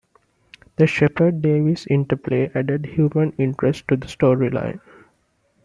The Shepard-Davis interplay added human interest to the storyline.